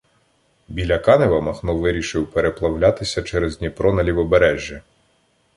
Біля Канева Махно вирішив переплавлятися через Дніпро на Лівобережжя.